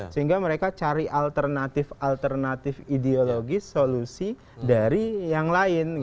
sehingga mereka cari alternatif alternatif ideologis solusi dari yang lain